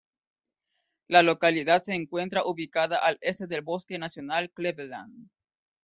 La localidad se encuentra ubicada al este del Bosque Nacional Cleveland.